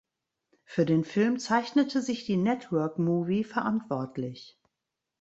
Für den Film zeichnete sich die Network Movie verantwortlich.